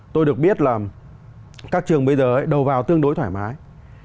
tôi được biết là các trường bây giờ đầu vào tương đối thoải mái